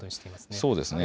そうですね。